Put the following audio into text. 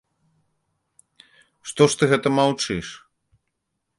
Што ж ты гэта маўчыш?